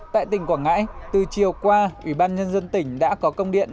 tại tỉnh quảng ngãi từ chiều qua ủy ban nhân dân tỉnh đã có công điện